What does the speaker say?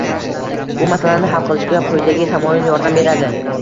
Bu masalani hal qilishga quyidagi tamoyil yordam beradi.